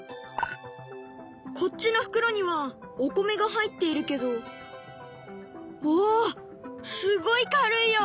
こっちの袋にはお米が入っているけどおおすごい軽いよ！